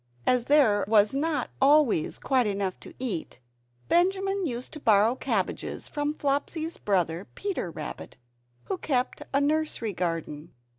As there was not always quite enough to eat, Benjamin used to borrow cabbages from Flopsy's brother, Peter Rabbit, who kept a nursery garden.